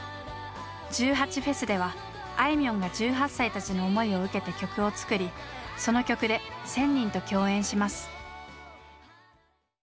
１８祭ではあいみょんが１８歳たちの想いを受けて曲を作りその曲で１，０００人と共演します。